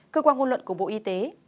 cơ quan ngôn luận của bộ y tế